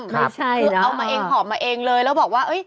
คือเอามาเองขอบมาเองเลยแล้วบอกว่า